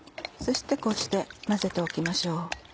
こうして混ぜておきましょう。